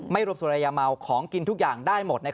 ไม่รวมสุรายมัวของกินทุกอย่างได้หมด